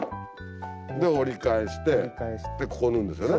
折り返してここ縫うんですよね？